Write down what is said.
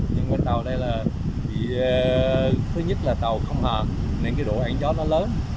nhưng mà tàu đây là thứ nhất là tàu không hòa nên cái độ ánh gió nó lớn